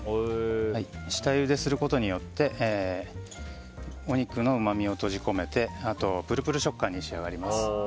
下ゆですることによってお肉のうまみを閉じ込めてあとプルプル食感に仕上がります。